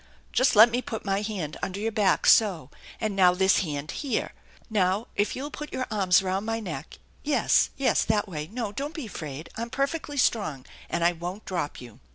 Just let me put my hand under your back so, and now this hand here. Now if you'll put your arms around my neck yes, that way no, don't be a bit afraid. I'm perfectly strong, and I won't drop you."